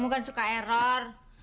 kamu kan suka error